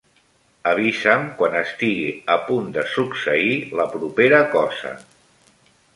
Avisa'm quan estigui a punt de succeir la propera cosa.